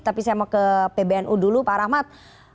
tapi saya mau ke pbnu dulu pak rahmat